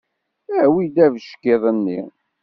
Awi-d abeckiḍ-nni!